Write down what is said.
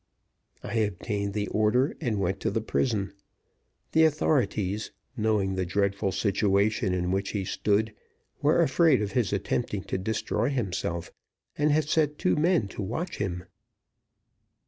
I obtained the order and went to the prison. The authorities, knowing the dreadful situation in which he stood, were afraid of his attempting to destroy himself, and had set two men to watch him.